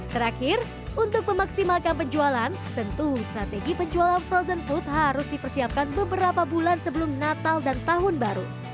terakhir untuk memaksimalkan penjualan tentu strategi penjualan frozen food harus dipersiapkan beberapa bulan sebelum natal dan tahun baru